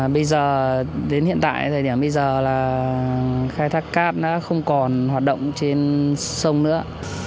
bây giờ đến hiện tại thời điểm bây giờ là khai thác cát đã không còn hoạt động trên sông nữa